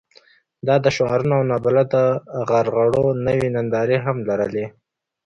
دا د شعارونو او نابلده غرغړو نوې نندارې هم لرلې.